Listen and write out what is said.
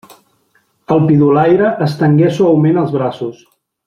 El pidolaire estenguè suaument els braços.